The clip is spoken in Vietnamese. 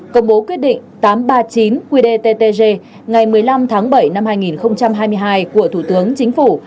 công bố quyết định tám trăm ba mươi chín quy đề ttg ngày một mươi năm tháng bảy năm hai nghìn hai mươi hai của thủ tướng chính phủ